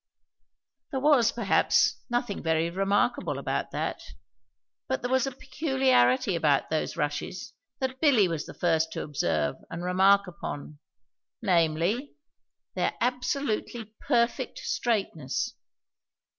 There was, perhaps, nothing very remarkable about that, but there was a peculiarity about those rushes that Billy was the first to observe and remark upon, namely, their absolutely perfect straightness.